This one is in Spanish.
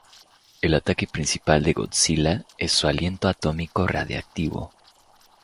El ataque principal de Godzilla es su aliento atómico radiactivo.